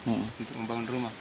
untuk membangun rumah